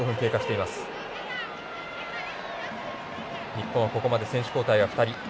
日本は、ここまで選手交代は２人。